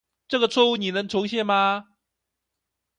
這個錯誤你能重現嗎